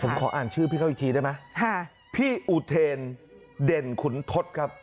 ผมขออ่านชื่อพี่เขาอีกทีได้ไหมค่ะพี่อุเทนเด่นขุนทศครับ